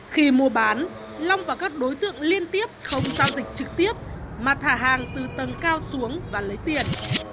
khi mua bán long và các đối tượng liên tiếp không giao dịch trực tiếp mà thả hàng từ tầng cao xuống và lấy tiền